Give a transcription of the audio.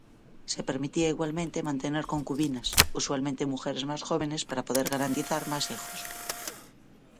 Se permitía igualmente mantener concubinas, usualmente mujeres más jóvenes para poder garantizar más hijos.